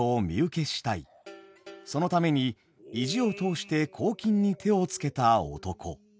そのために意地を通して公金に手をつけた男。